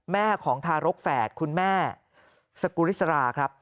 แม่ของทารกแฝดคุณแม่สกุริสราครับ